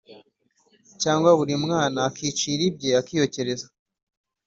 Cyangwa buri mwana akicira ibye akiyokereza.